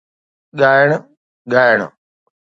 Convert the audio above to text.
ڳائڻ ، ڳائڻ